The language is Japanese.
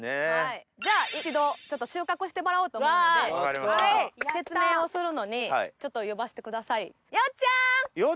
じゃあ一度ちょっと収穫してもらおうと思うので説明をするのにちょっと呼ばしてください。